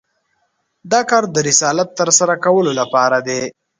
دا کار د رسالت تر سره کولو لپاره دی.